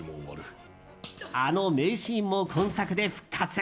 あの名シーンも今作で復活。